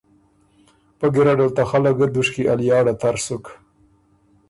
پۀ ګیرډه ل ته خلق ګۀ دُشکی ا لیاړه تر سُک،